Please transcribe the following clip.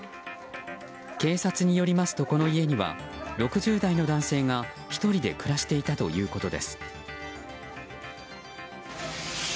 警察によりますとこの家には６０代の男性が１人で暮らしていたということです。